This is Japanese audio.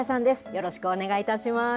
よろしくお願いします。